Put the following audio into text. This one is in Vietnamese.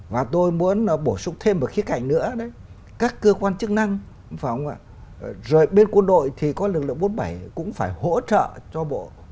và tôi muốn bổ sung thêm một khía cạnh nữa các cơ quan chức năng rồi bên quân đội thì có lực lượng bốn mươi bảy cũng phải hỗ trợ cho bộ bốn t đó để mà xử lý